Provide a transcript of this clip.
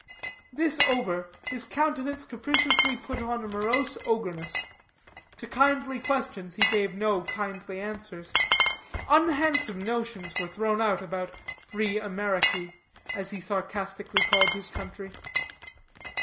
This over, his countenance capriciously put on a morose ogreness. To kindly questions he gave no kindly answers. Unhandsome notions were thrown out about "free Ameriky," as he sarcastically called his country.